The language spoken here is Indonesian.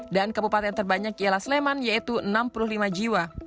dan kebupatan terbanyak ialah sleman yaitu enam puluh lima jiwa